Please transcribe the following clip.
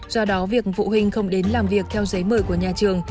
do đó việc phụ huynh không đến làm việc theo giấy mời của nhà trường